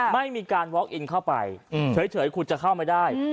ไม่มีการวอคอินเข้าไปเฉยคุณจะเข้าไม่ได้